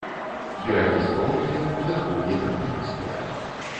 Берагі стромкія, у вярхоўі тарфяністыя.